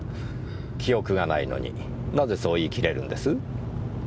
記憶がないのになぜそう言い切れるんです？